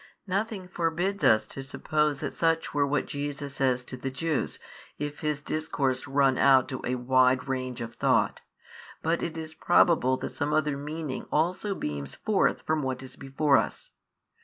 Nothing forbids us to suppose that such were what Jesus says to the Jews, if His Discourse run out to a wide range of thought: but it is probable that some other meaning also beams forth from what is before us.